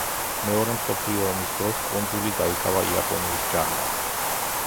მეორე მსოფლიო ომის დროს კუნძული დაიკავა იაპონიის ჯარმა.